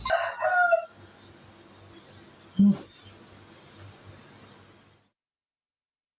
โอ๊ย